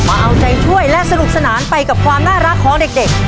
เอาใจช่วยและสนุกสนานไปกับความน่ารักของเด็ก